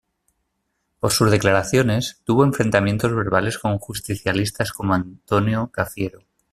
Por sus declaraciones tuvo enfrentamientos verbales con justicialistas como Antonio Cafiero.